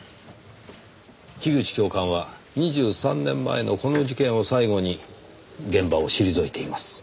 樋口教官は２３年前のこの事件を最後に現場を退いています。